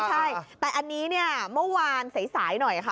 ใช่แต่อันนี้เนี่ยเมื่อวานสายหน่อยค่ะ